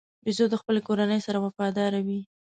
بیزو د خپلې کورنۍ سره وفاداره وي.